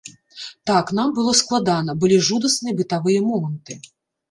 Так, нам было складана, былі жудасныя бытавыя моманты.